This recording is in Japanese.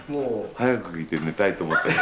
早く聴いて寝たいと思ったでしょ。